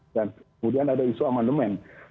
dan kemudian ada isu amandemen